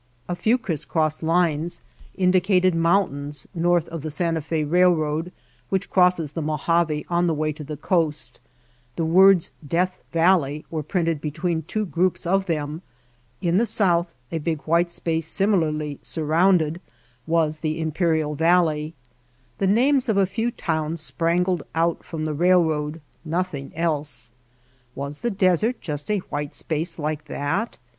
A few criss cross lines indicated White Heart of Mojave mountains; north of the Santa Fe Railroad, which crosses the Mojave on the way to the coast, the words Death Valley were printed be tween two groups of them; in the south a big white space similarly surrounded was the Impe rial Valley; the names of a few towns sprangled out from the railroad — nothing else. Was the desert just a white space like that?